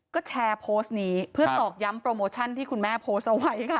ก็แชร์โพสต์นี้เพื่อตอกย้ำโปรโมชั่นที่คุณแม่โพสต์เอาไว้ค่ะ